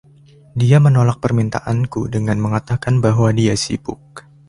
Dia menolak permintaanku dengan mengatakan bahwa dia sibuk.